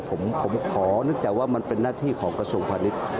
ผมขอนึกจากว่ามันเป็นหน้าที่ของกระทรวงพาณิชย์